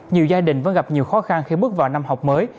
nhiều gia đình vẫn gặp nhiều khó khăn khi bước vào năm học mới